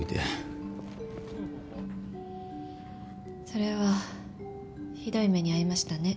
それはひどい目に遭いましたね。